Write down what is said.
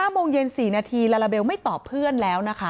โมงเย็น๔นาทีลาลาเบลไม่ตอบเพื่อนแล้วนะคะ